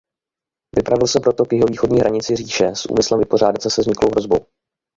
Vypravil se proto k jihovýchodní hranici říše s úmyslem vypořádat se se vzniklou hrozbou.